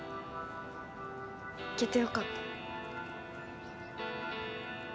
行けて良かった。